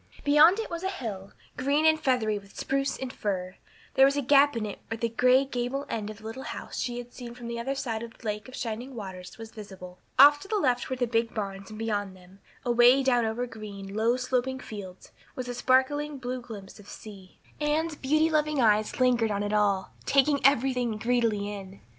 Beyond it was a hill, green and feathery with spruce and fir; there was a gap in it where the gray gable end of the little house she had seen from the other side of the Lake of Shining Waters was visible. Off to the left were the big barns and beyond them, away down over green, low sloping fields, was a sparkling blue glimpse of sea. Anne's beauty loving eyes lingered on it all, taking everything greedily in.